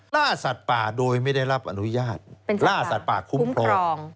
ล่าสัตว์ป่าโดยไม่ได้รับอนุญาตล่าสัตว์ป่าคุ้มครอง